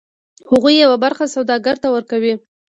هغوی یوه برخه سوداګر ته ورکوي